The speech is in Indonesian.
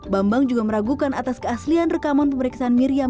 bambang juga meragukan atas keaslian rekaman pemeriksaan miriam